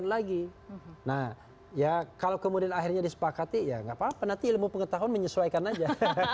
nah kalau kemudian akhirnya disepakati ya tidak apa apa nanti ilmu pengetahuan menyesuaikan saja